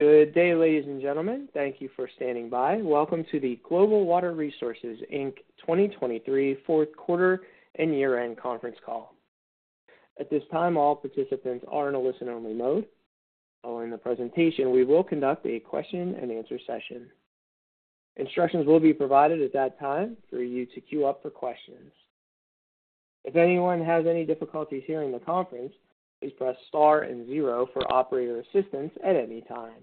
Good day, ladies and gentlemen. Thank you for standing by. Welcome to the Global Water Resources Inc. 2023 fourth quarter and year-end conference call. At this time, all participants are in a listen-only mode. Following the presentation, we will conduct a question-and-answer session. Instructions will be provided at that time for you to queue up for questions. If anyone has any difficulties hearing the conference, please press star and zero for operator assistance at any time.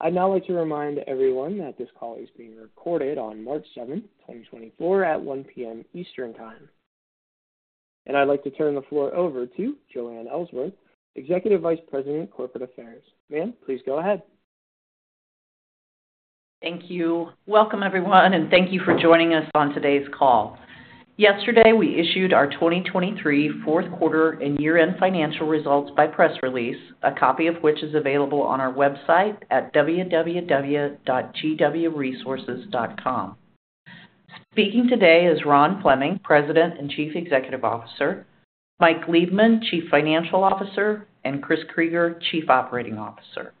I'd now like to remind everyone that this call is being recorded on March 7th, 2024, at 1:00 P.M. Eastern Time. I'd like to turn the floor over to Joanne Ellsworth, Executive Vice President of Corporate Affairs. Ma'am, please go ahead. Thank you. Welcome, everyone, and thank you for joining us on today's call. Yesterday, we issued our 2023 fourth quarter and year-end financial results by press release, a copy of which is available on our website at www.gwresources.com. Speaking today is Ron Fleming, President and Chief Executive Officer, Mike Liebman, Chief Financial Officer, and Chris Krygier, Chief Operating Officer.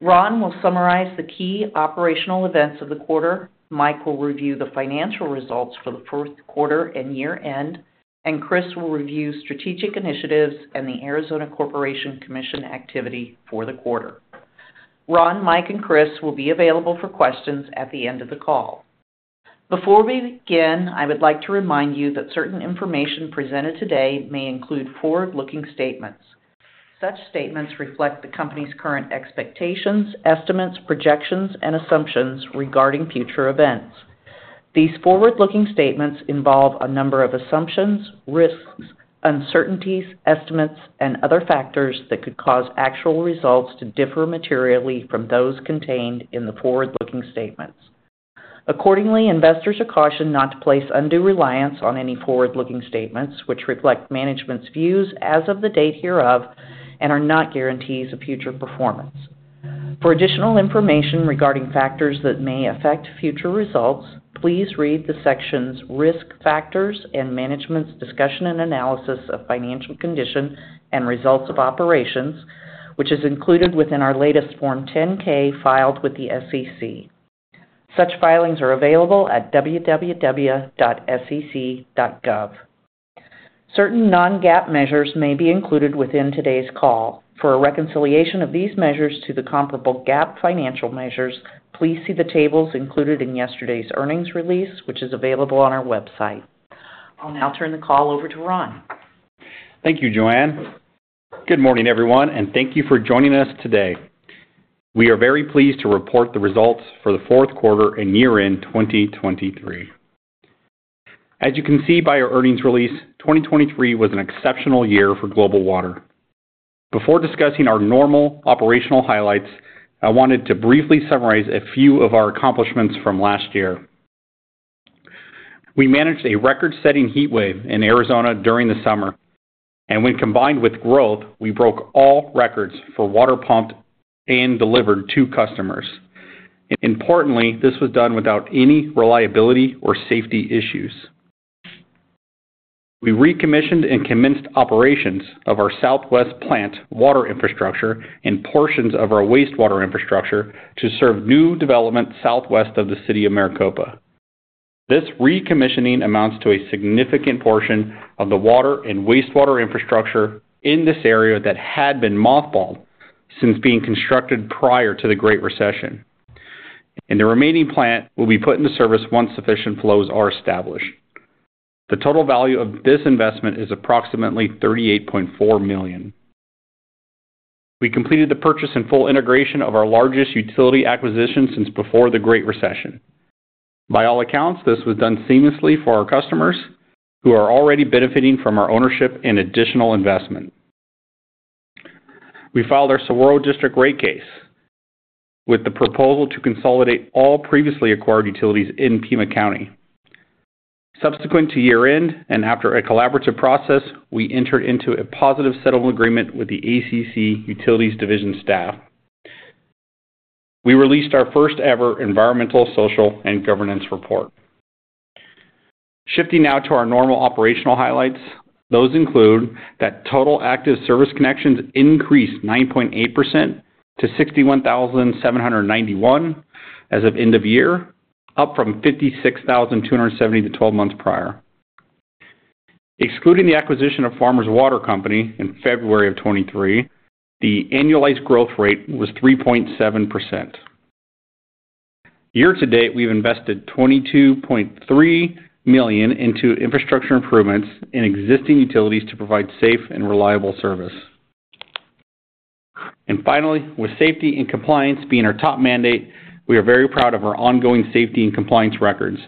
Ron will summarize the key operational events of the quarter, Mike will review the financial results for the fourth quarter and year-end, and Chris will review strategic initiatives and the Arizona Corporation Commission activity for the quarter. Ron, Mike, and Chris will be available for questions at the end of the call. Before we begin, I would like to remind you that certain information presented today may include forward-looking statements. Such statements reflect the company's current expectations, estimates, projections, and assumptions regarding future events. These forward-looking statements involve a number of assumptions, risks, uncertainties, estimates, and other factors that could cause actual results to differ materially from those contained in the forward-looking statements. Accordingly, investors are cautioned not to place undue reliance on any forward-looking statements, which reflect management's views as of the date hereof and are not guarantees of future performance. For additional information regarding factors that may affect future results, please read the sections Risk Factors and Management's Discussion and Analysis of Financial Condition and Results of Operations, which is included within our latest Form 10-K filed with the SEC. Such filings are available at www.sec.gov. Certain non-GAAP measures may be included within today's call. For a reconciliation of these measures to the comparable GAAP financial measures, please see the tables included in yesterday's earnings release, which is available on our website. I'll now turn the call over to Ron. Thank you, Joanne. Good morning, everyone, and thank you for joining us today. We are very pleased to report the results for the fourth quarter and year-end 2023. As you can see by our earnings release, 2023 was an exceptional year for Global Water. Before discussing our normal operational highlights, I wanted to briefly summarize a few of our accomplishments from last year. We managed a record-setting heatwave in Arizona during the summer, and when combined with growth, we broke all records for water pumped and delivered to customers. Importantly, this was done without any reliability or safety issues. We recommissioned and commenced operations of our Southwest Plant water infrastructure and portions of our wastewater infrastructure to serve new development southwest of the city of Maricopa. This recommissioning amounts to a significant portion of the water and wastewater infrastructure in this area that had been mothballed since being constructed prior to the Great Recession, and the remaining plant will be put into service once sufficient flows are established. The total value of this investment is approximately $38.4 million. We completed the purchase and full integration of our largest utility acquisition since before the Great Recession. By all accounts, this was done seamlessly for our customers, who are already benefiting from our ownership and additional investment. We filed our Saguaro District rate case with the proposal to consolidate all previously acquired utilities in Pima County. Subsequent to year-end, and after a collaborative process, we entered into a positive settlement agreement with the ACC Utilities Division staff. We released our first-ever environmental, social, and governance report. Shifting now to our normal operational highlights. Those include that total active service connections increased 9.8% to 61,791 as of end of year, up from 56,270, 12 months prior. Excluding the acquisition of Farmers Water Company in February of 2023, the annualized growth rate was 3.7%. Year to date, we've invested $22.3 million into infrastructure improvements in existing utilities to provide safe and reliable service. And finally, with safety and compliance being our top mandate, we are very proud of our ongoing safety and compliance records.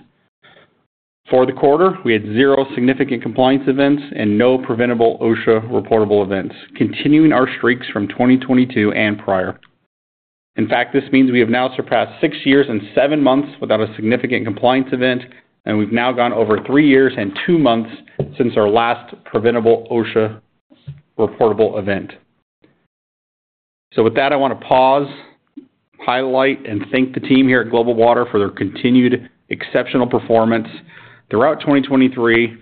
For the quarter, we had zero significant compliance events and no preventable OSHA reportable events, continuing our streaks from 2022 and prior. In fact, this means we have now surpassed six years and seven months without a significant compliance event, and we've now gone over three years and two months since our last preventable OSHA reportable event. So with that, I want to highlight and thank the team here at Global Water for their continued exceptional performance throughout 2023.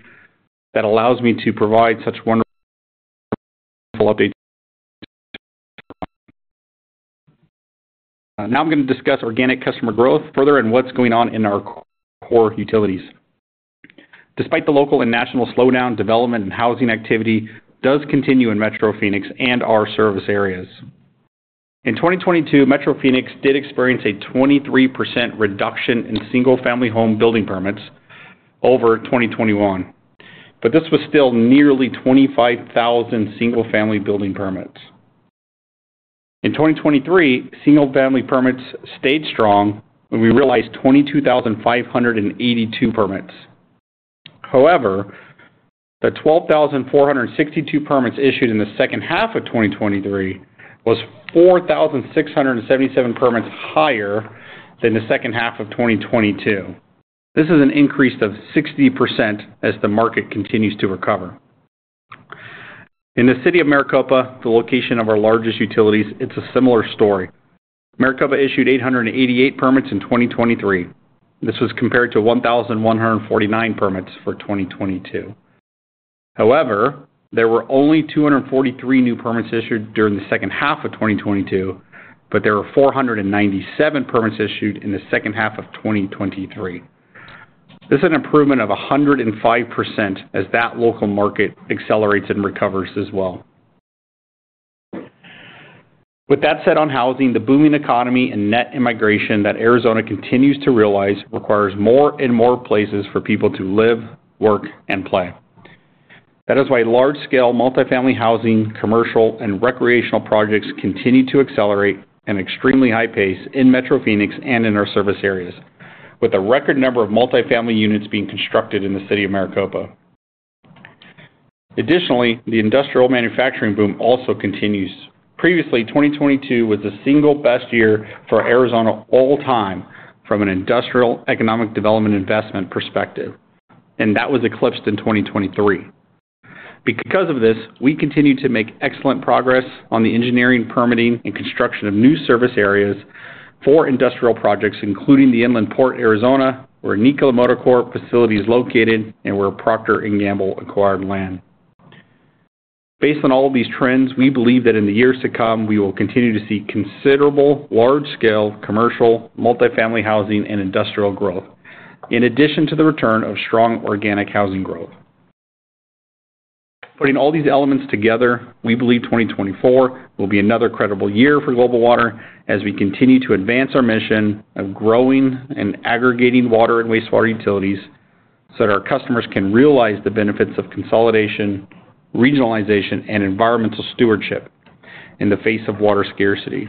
That allows me to provide such wonderful update. Now I'm going to discuss organic customer growth further and what's going on in our core utilities. Despite the local and national slowdown, development and housing activity does continue in Metro Phoenix and our service areas. In 2022, Metro Phoenix did experience a 23% reduction in single-family home building permits over 2021, but this was still nearly 25,000 single-family building permits. In 2023, single-family permits stayed strong when we realized 22,582 permits. However, the 12,462 permits issued in the second half of 2023 were 4,677 permits higher than the second half of 2022. This is an increase of 60% as the market continues to recover. In the City of Maricopa, the location of our largest utilities, it's a similar story. Maricopa issued 888 permits in 2023. This was compared to 1,149 permits for 2022. However, there were only 243 new permits issued during the second half of 2022, but there were 497 permits issued in the second half of 2023. This is an improvement of 105% as that local market accelerates and recovers as well. With that said, on housing, the booming economy and net immigration that Arizona continues to realize requires more and more places for people to live, work, and play. That is why large-scale multifamily housing, commercial, and recreational projects continue to accelerate at an extremely high pace in Metro Phoenix and in our service areas, with a record number of multifamily units being constructed in the City of Maricopa. Additionally, the industrial manufacturing boom also continues. Previously, 2022 was the single best year for Arizona all time from an industrial economic development investment perspective, and that was eclipsed in 2023. Because of this, we continue to make excellent progress on the engineering, permitting, and construction of new service areas for industrial projects, including the Inland Port Arizona, where Nikola Motor Corp facility is located and where Procter & Gamble acquired land. Based on all of these trends, we believe that in the years to come, we will continue to see considerable large-scale commercial, multifamily housing, and industrial growth, in addition to the return of strong organic housing growth. Putting all these elements together, we believe 2024 will be another incredible year for Global Water as we continue to advance our mission of growing and aggregating water and wastewater utilities so that our customers can realize the benefits of consolidation, regionalization, and environmental stewardship in the face of water scarcity,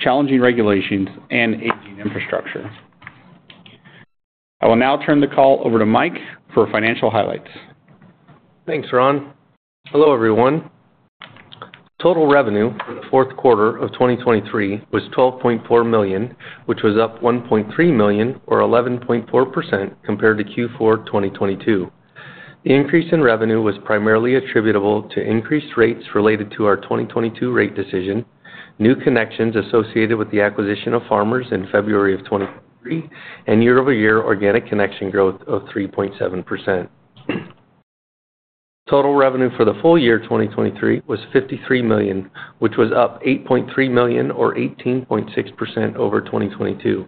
challenging regulations, and aging infrastructure. I will now turn the call over to Mike for financial highlights. Thanks, Ron. Hello, everyone. Total revenue for the fourth quarter of 2023 was $12.4 million, which was up $1.3 million, or 11.4% compared to Q4 2022. The increase in revenue was primarily attributable to increased rates related to our 2022 rate decision, new connections associated with the acquisition of Farmers in February of 2023, and year-over-year organic connection growth of 3.7%. Total revenue for the full year 2023 was $53 million, which was up $8.3 million, or 18.6% over 2022.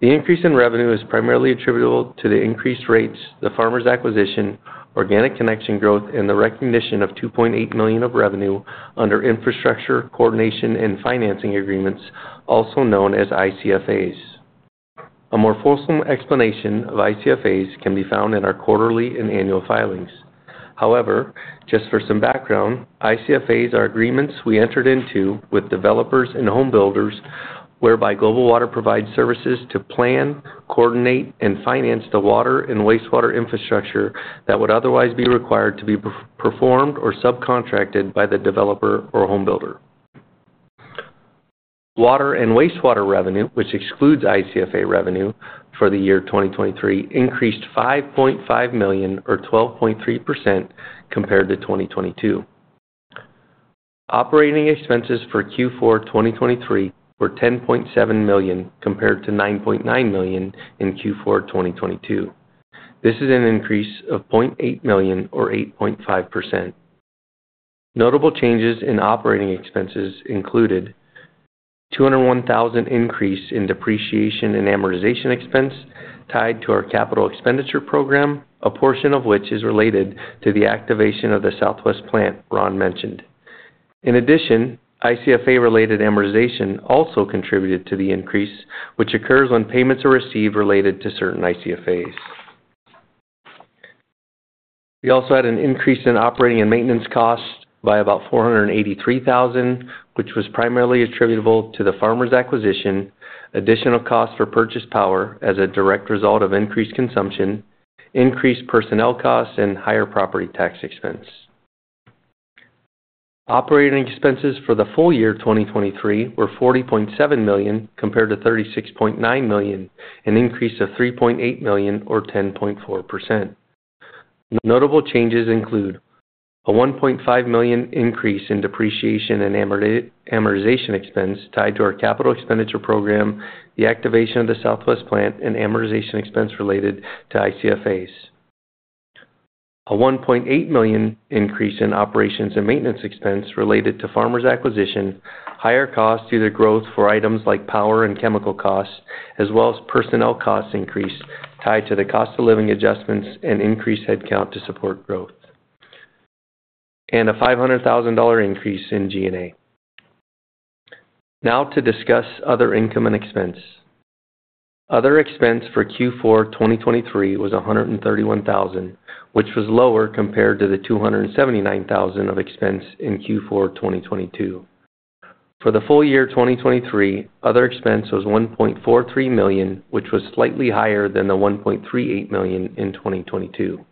The increase in revenue is primarily attributable to the increased rates, the Farmers' acquisition, organic connection growth, and the recognition of $2.8 million of revenue under Infrastructure, Coordination, and Financing Agreements, also known as ICFAs. A more fulsome explanation of ICFAs can be found in our quarterly and annual filings. However, just for some background, ICFAs are agreements we entered into with developers and home builders, whereby Global Water provides services to plan, coordinate, and finance the water and wastewater infrastructure that would otherwise be required to be performed or subcontracted by the developer or home builder. Water and wastewater revenue, which excludes ICFA revenue for the year 2023, increased $5.5 million or 12.3% compared to 2022. Operating expenses for Q4 2023 were $10.7 million, compared to $9.9 million in Q4 2022. This is an increase of $0.8 million or 8.5%. Notable changes in operating expenses included $201,000 increase in depreciation and amortization expense tied to our capital expenditure program, a portion of which is related to the activation of the Southwest Plant Ron mentioned. In addition, ICFA-related amortization also contributed to the increase, which occurs when payments are received related to certain ICFAs. We also had an increase in operating and maintenance costs by about $483,000, which was primarily attributable to the Farmers' acquisition, additional costs for purchased power as a direct result of increased consumption, increased personnel costs, and higher property tax expense. Operating expenses for the full year 2023 were $40.7 million, compared to $36.9 million, an increase of $3.8 million or 10.4%. Notable changes include a $1.5 million increase in depreciation and amortization expense tied to our capital expenditure program, the activation of the Southwest Plant, and amortization expense related to ICFAs. A $1.8 million increase in operations and maintenance expense related to Farmers acquisition, higher costs due to growth for items like power and chemical costs, as well as personnel cost increase tied to the cost of living adjustments and increased headcount to support growth. A $500,000 increase in G&A. Now to discuss other income and expense. Other expense for Q4 2023 was $131,000, which was lower compared to the $279,000 of expense in Q4 2022. For the full year 2023, other expense was $1.43 million, which was slightly higher than the $1.38 million in 2022.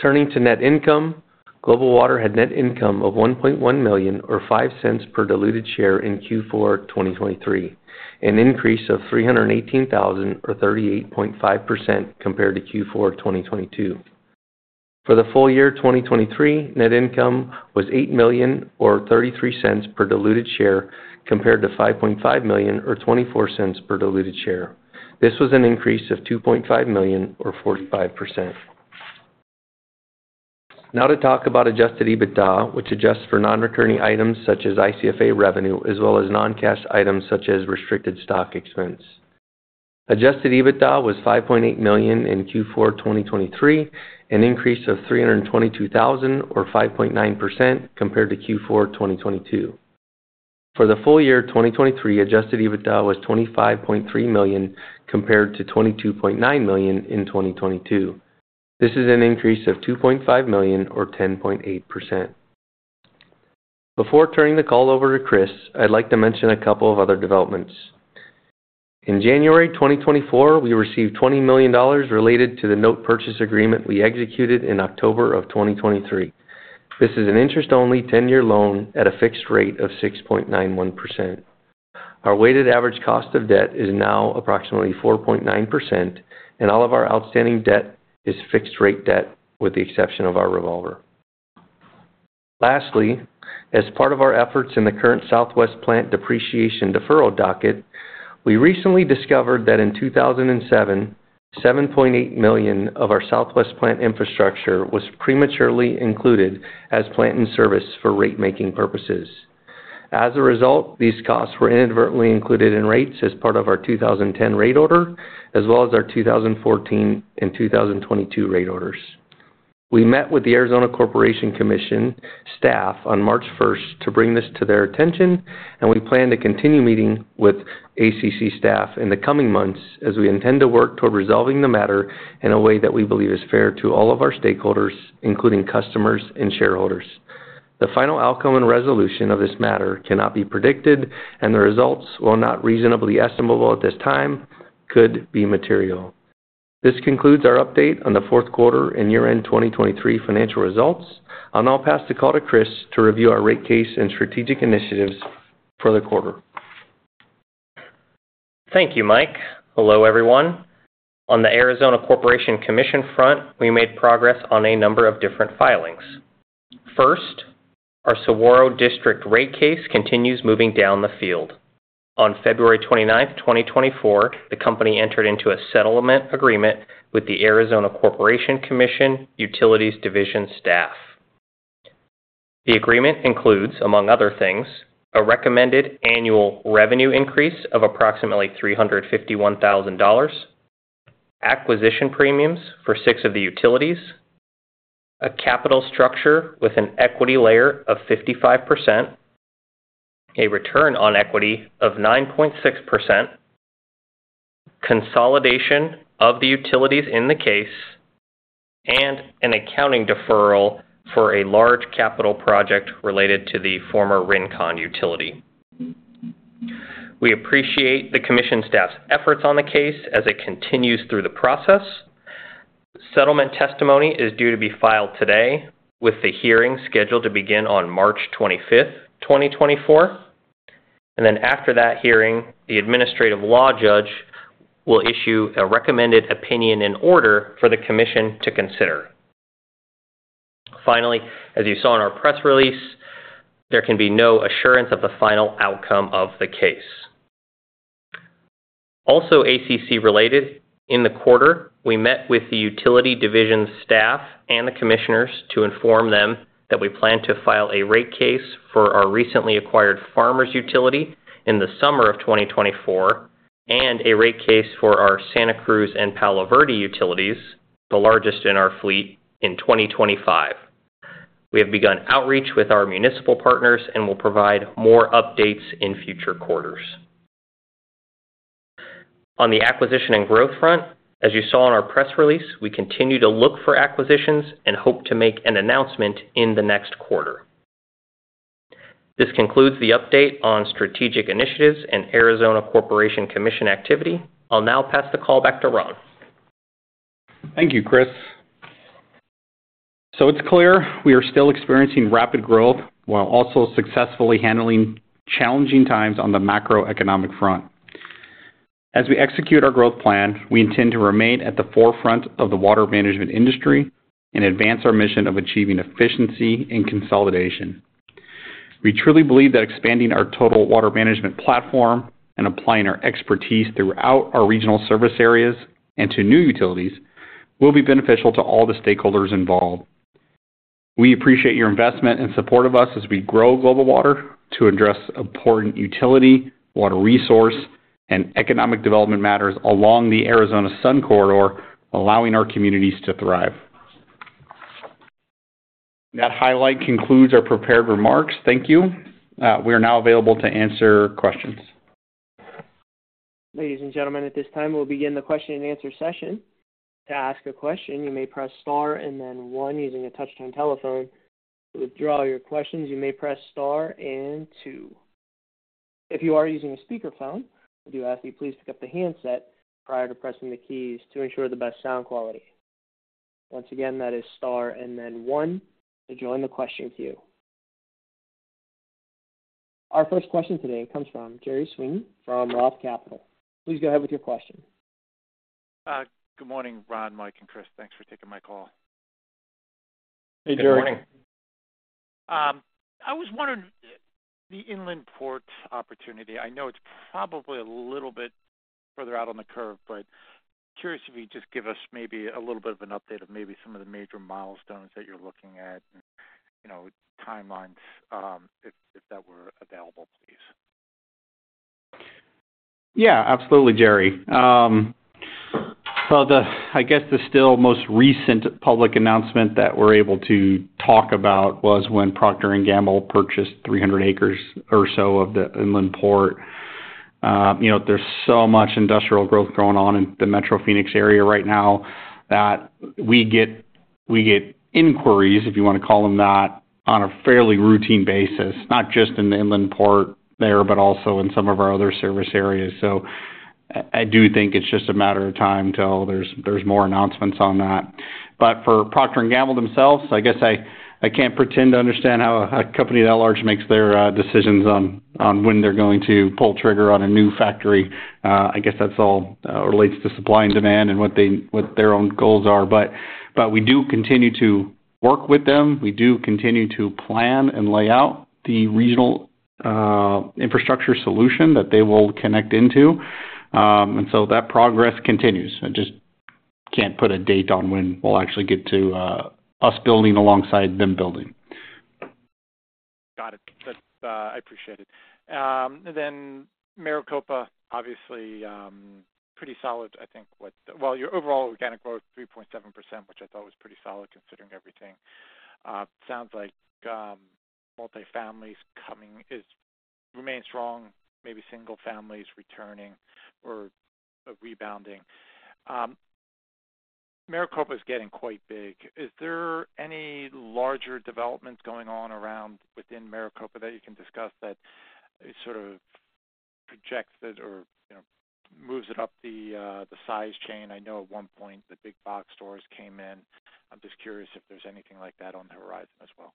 Turning to net income, Global Water had net income of $1.1 million, or $0.05 per diluted share in Q4 2023, an increase of $318,000, or 38.5% compared to Q4 2022. For the full year 2023, net income was $8 million, or $0.33 per diluted share, compared to $5.5 million, or $0.24 per diluted share. This was an increase of $2.5 million, or 45%. Now to talk about Adjusted EBITDA, which adjusts for non-recurring items such as ICFA revenue, as well as non-cash items such as restricted stock expense. Adjusted EBITDA was $5.8 million in Q4 2023, an increase of $322,000 or 5.9% compared to Q4 2022. For the full year 2023, adjusted EBITDA was $25.3 million, compared to $22.9 million in 2022. This is an increase of $2.5 million or 10.8%. Before turning the call over to Chris, I'd like to mention a couple of other developments. In January 2024, we received $20 million related to the note purchase agreement we executed in October 2023. This is an interest-only 10-year loan at a fixed rate of 6.91%. Our weighted average cost of debt is now approximately 4.9%, and all of our outstanding debt is fixed rate debt, with the exception of our revolver. Lastly, as part of our efforts in the current Southwest Plant depreciation deferral docket, we recently discovered that in 2007, $7.8 million of our Southwest Plant infrastructure was prematurely included as plant and service for rate-making purposes. As a result, these costs were inadvertently included in rates as part of our 2010 rate order, as well as our 2014 and 2022 rate orders. We met with the Arizona Corporation Commission staff on March 1 to bring this to their attention, and we plan to continue meeting with ACC staff in the coming months as we intend to work toward resolving the matter in a way that we believe is fair to all of our stakeholders, including customers and shareholders. The final outcome and resolution of this matter cannot be predicted, and the results, while not reasonably estimable at this time, could be material. This concludes our update on the fourth quarter and year-end 2023 financial results. I'll now pass the call to Chris to review our rate case and strategic initiatives for the quarter. Thank you, Mike. Hello, everyone. On the Arizona Corporation Commission front, we made progress on a number of different filings. First, our Saguaro District rate case continues moving down the field. On February 29th, 2024, the company entered into a settlement agreement with the Arizona Corporation Commission Utilities Division staff. The agreement includes, among other things, a recommended annual revenue increase of approximately $351,000, acquisition premiums for six of the utilities, a capital structure with an equity layer of 55%, a return on equity of 9.6%, consolidation of the utilities in the case, and an accounting deferral for a large capital project related to the former Rincon utility. We appreciate the commission staff's efforts on the case as it continues through the process. Settlement testimony is due to be filed today, with the hearing scheduled to begin on March 25th, 2024, and then after that hearing, the administrative law judge will issue a recommended opinion and order for the commission to consider. Finally, as you saw in our press release, there can be no assurance of the final outcome of the case. Also, ACC-related, in the quarter, we met with the utility division staff and the commissioners to inform them that we plan to file a rate case for our recently acquired Farmers utility in the summer of 2024, and a rate case for our Santa Cruz and Palo Verde utilities, the largest in our fleet, in 2025. We have begun outreach with our municipal partners and will provide more updates in future quarters. On the acquisition and growth front, as you saw in our press release, we continue to look for acquisitions and hope to make an announcement in the next quarter. This concludes the update on strategic initiatives and Arizona Corporation Commission activity. I'll now pass the call back to Ron. Thank you, Chris. ...So it's clear we are still experiencing rapid growth, while also successfully handling challenging times on the macroeconomic front. As we execute our growth plan, we intend to remain at the forefront of the water management industry and advance our mission of achieving efficiency and consolidation. We truly believe that expanding our total water management platform and applying our expertise throughout our regional service areas and to new utilities will be beneficial to all the stakeholders involved. We appreciate your investment and support of us as we grow Global Water to address important utility, water resource, and economic development matters along the Arizona Sun Corridor, allowing our communities to thrive. That highlight concludes our prepared remarks. Thank you. We are now available to answer questions. Ladies and gentlemen, at this time, we'll begin the question-and-answer session. To ask a question, you may press star and then One using a touchtone telephone. To withdraw your questions, you may press star and two. If you are using a speakerphone, we do ask that you please pick up the handset prior to pressing the keys to ensure the best sound quality. Once again, that is star and then one to join the question queue. Our first question today comes from Gerry Sweeney from Roth Capital. Please go ahead with your question. Good morning, Ron, Mike, and Chris. Thanks for taking my call. Hey, Gerry. Good morning. I was wondering, the Inland Port opportunity, I know it's probably a little bit further out on the curve, but curious if you'd just give us maybe a little bit of an update of maybe some of the major milestones that you're looking at, you know, timelines, if that were available, please? Yeah, absolutely, Gerry. So the—I guess, the still most recent public announcement that we're able to talk about was when Procter & Gamble purchased 300 acres or so of the Inland Port. You know, there's so much industrial growth going on in the Metro Phoenix area right now that we get, we get inquiries, if you wanna call them that, on a fairly routine basis, not just in the Inland Port there, but also in some of our other service areas. So I, I do think it's just a matter of time till there's, there's more announcements on that. But for Procter & Gamble themselves, I guess I, I can't pretend to understand how a, a company that large makes their decisions on, on when they're going to pull trigger on a new factory. I guess that's all relates to supply and demand and what they-- what their own goals are. But we do continue to work with them. We do continue to plan and lay out the regional infrastructure solution that they will connect into. And so that progress continues. I just can't put a date on when we'll actually get to us building alongside them building. Got it. That's. I appreciate it. Then Maricopa, obviously, pretty solid, I think, with well, your overall organic growth, 3.7%, which I thought was pretty solid, considering everything. Sounds like, multifamily is coming, is remains strong, maybe single-family is returning or rebounding. Maricopa is getting quite big. Is there any larger developments going on around within Maricopa that you can discuss that it sort of projects it or, you know, moves it up the, the size chain? I know at one point, the big box stores came in. I'm just curious if there's anything like that on the horizon as well.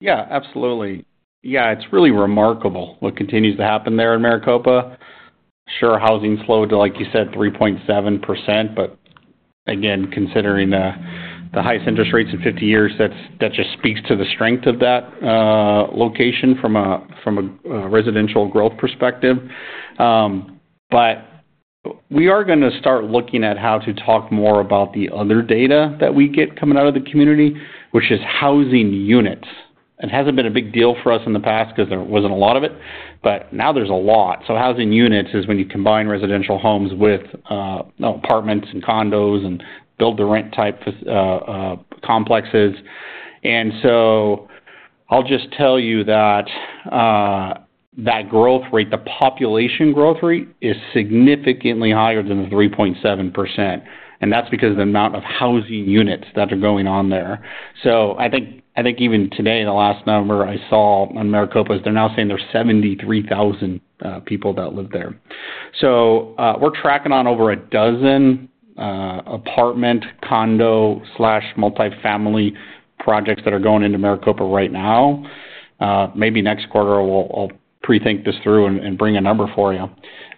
Yeah, absolutely. Yeah, it's really remarkable what continues to happen there in Maricopa. Sure, housing flowed, like you said, 3.7%, but again, considering the highest interest rates in 50 years, that just speaks to the strength of that location from a residential growth perspective. But we are gonna start looking at how to talk more about the other data that we get coming out of the community, which is housing units. It hasn't been a big deal for us in the past because there wasn't a lot of it, but now there's a lot. So housing units is when you combine residential homes with, you know, apartments and condos and build-to-rent type complexes. I'll just tell you that the growth rate, the population growth rate, is significantly higher than the 3.7%, and that's because of the amount of housing units that are going on there. I think even today, the last number I saw on Maricopa, is they're now saying there's 73,000 people that live there. We're tracking on over a dozen apartment, condo/multifamily projects that are going into Maricopa right now. Maybe next quarter, we'll, I'll pre-think this through and bring a number for you.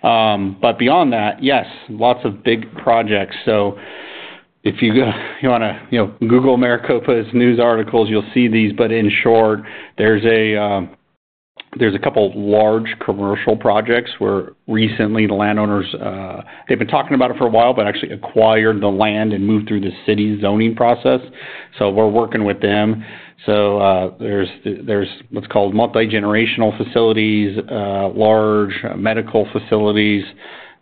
But beyond that, yes, lots of big projects. If you wanna, you know, google Maricopa's news articles, you'll see these. But in short, there's a couple of large commercial projects where recently the landowners... They've been talking about it for a while, but actually acquired the land and moved through the city's zoning process, so we're working with them. So, there's, there's what's called multigenerational facilities, large medical facilities,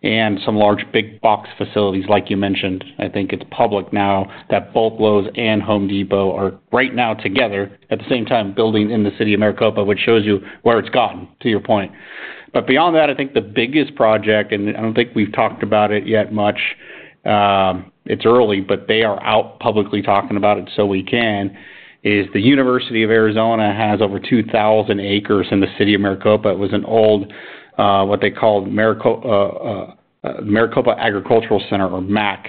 and some large big box facilities, like you mentioned. I think it's public now that both Lowe's and Home Depot are right now together, at the same time, building in the City of Maricopa, which shows you where it's gotten, to your point. But beyond that, I think the biggest project, and I don't think we've talked about it yet much, it's early, but they are out publicly talking about it, so we can, is the University of Arizona has over 2,000 acres in the City of Maricopa. It was an old-... What they called Maricopa Agricultural Center, or MAC,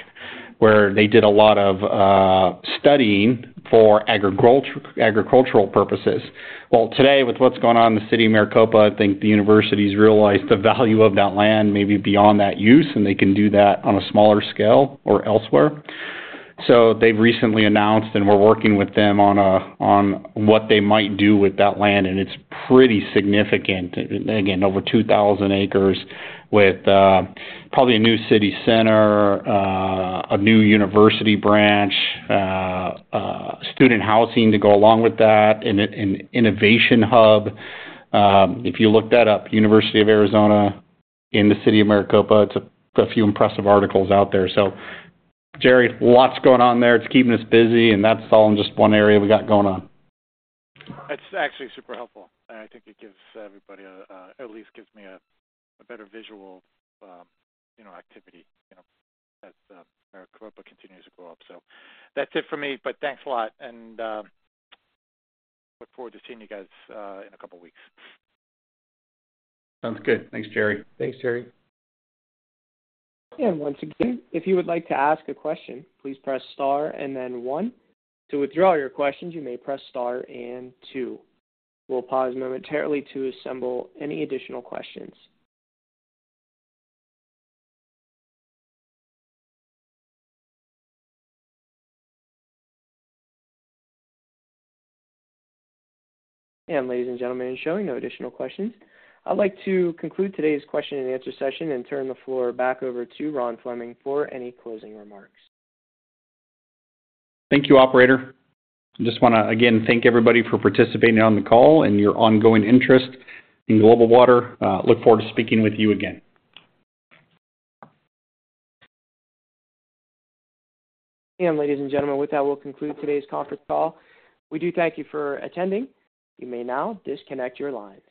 where they did a lot of studying for agricultural purposes. Well, today, with what's going on in the City of Maricopa, I think the university's realized the value of that land may be beyond that use, and they can do that on a smaller scale or elsewhere. So they've recently announced, and we're working with them on what they might do with that land, and it's pretty significant. And again, over 2,000 acres with probably a new city center, a new university branch, student housing to go along with that, and an innovation hub. If you look that up, University of Arizona in the City of Maricopa, it's a few impressive articles out there. So Gerry, lots going on there. It's keeping us busy, and that's all in just one area we got going on. That's actually super helpful, and I think it gives everybody a, at least gives me a better visual, you know, activity, you know, as Maricopa continues to grow up. So that's it for me, but thanks a lot, and look forward to seeing you guys in a couple weeks. Sounds good. Thanks, Gerry. Thanks, Gerry. Once again, if you would like to ask a question, please press Star and then One. To withdraw your questions, you may press star and two. We'll pause momentarily to assemble any additional questions. Ladies and gentlemen, showing no additional questions, I'd like to conclude today's question and answer session and turn the floor back over to Ron Fleming for any closing remarks. Thank you, operator. I just wanna, again, thank everybody for participating on the call and your ongoing interest in Global Water. Look forward to speaking with you again. Ladies and gentlemen, with that, we'll conclude today's conference call. We do thank you for attending. You may now disconnect your lines.